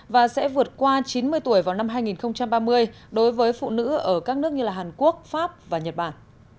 và sẽ vượt qua chín mươi tuổi vào năm hai nghìn ba mươi đối với phụ nữ ở các nước như hàn quốc pháp và nhật bản